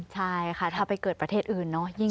ใช่ค่ะถ้าไปเกิดประเทศอื่นเนอะ